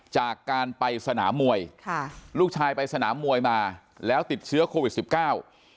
จากการไปสนามมวยค่ะลูกชายไปสนามมวยมาแล้วติดเชื้อโควิดสิบเก้า